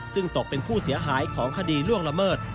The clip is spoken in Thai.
ซึ่งตกเป็นผู้เสียหายของคดีล่วงละเมิด